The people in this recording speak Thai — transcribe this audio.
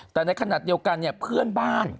แต่ในขณะเดียวกันเนี่ยเพื่อนบ้าน